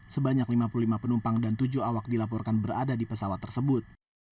sebanyak lima puluh lima penumpang dan tujuh awak dilaporkan berada di pesawat tersebut